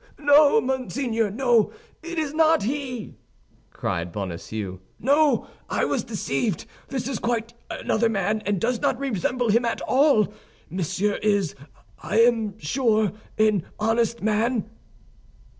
"No, monseigneur, no, it is not he!" cried Bonacieux; "no, I was deceived. This is quite another man, and does not resemble him at all. Monsieur is, I am sure, an honest man."